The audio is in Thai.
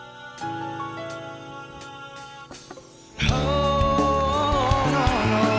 อื้อหือหือ